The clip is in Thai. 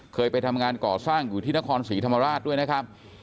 เคยไปทำงานก่อสร้างอยู่ที่นครศรีธรรมราชด้วยนะครับ